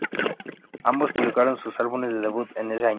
Ambos publicaron sus álbumes de debut ese año.